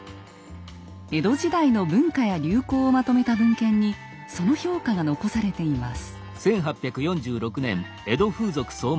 江戸時代の文化や流行をまとめた文献にその評価が残されています。